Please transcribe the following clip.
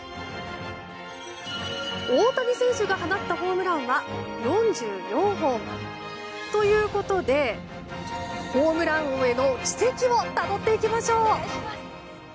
大谷選手が放ったホームランは４４本。ということでホームラン王への軌跡をたどっていきましょう。